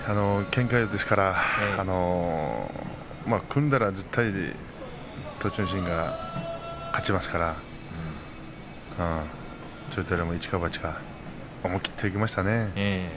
けんか四つですから組んだら栃ノ心、有利ですから千代大龍も一か八か思い切っていきましたね。